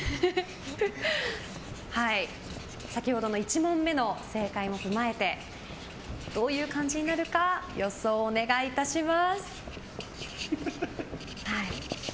先ほどの１問目の正解も踏まえてどういう感じになるか予想お願いいたします。